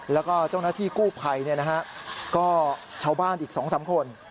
แล้วก็เจ้าหน้าที่กู้ไพรเนี่ยนะฮะก็ชาวบ้านอีก๒๓คน